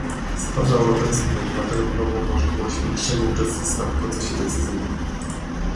Stwarza europejskim obywatelom nową możliwość większego uczestnictwa w procesie decyzyjnym